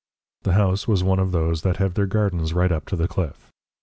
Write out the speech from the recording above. The house was one of those that have their gardens right up to the cliff.